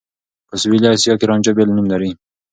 په سوېلي اسيا کې رانجه بېل نوم لري.